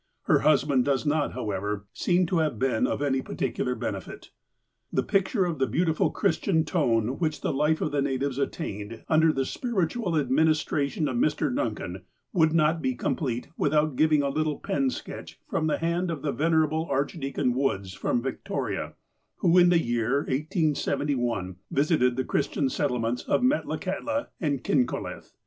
Her husband does not, however, seem to have been of any particular benefit. The picture of the beautiful Christian tone which the life of the natives attained under the spiritual adminis tration of Mr. Duncan would not be complete without giving a little pen sketch from the hand of the Venerable Archdeacon Woods from Victoria, who, in the year 1871, visited the Christian settlements of Metlakahtla and Kin eolith.